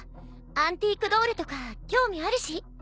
アンティークドールとか興味あるし。